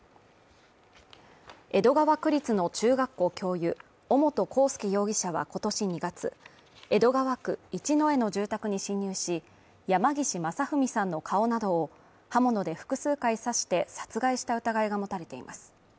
江戸川区立の中学校教諭尾本幸祐容疑者は今年２月、江戸川区一之江の住宅に侵入し、山岸正文さんの顔などを刃物で複数回刺して殺害した疑いが持たれています。